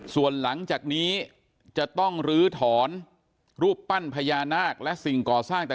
ส่วนหลังจากนี้จะต้องลื้อถอนรูปปั้นพญานาคและสิ่งก่อสร้างต่าง